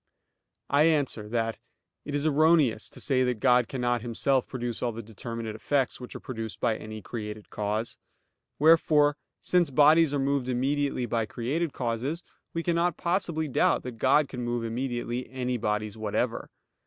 I answer that, It is erroneous to say that God cannot Himself produce all the determinate effects which are produced by any created cause. Wherefore, since bodies are moved immediately by created causes, we cannot possibly doubt that God can move immediately any bodies whatever.